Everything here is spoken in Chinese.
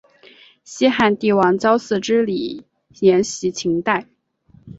西汉帝王郊祀之礼沿袭秦代。